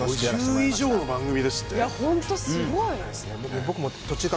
５０以上の番組ですか？